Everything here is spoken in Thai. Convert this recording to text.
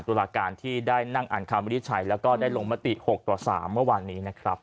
ตุลาการที่ได้นั่งอ่านคำวินิจฉัยแล้วก็ได้ลงมติ๖ต่อ๓เมื่อวานนี้นะครับ